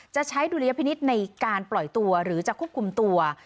จะใช้ดุลยพินิษฐ์ในการปล่อยตัวหรือจะควบคุมตัว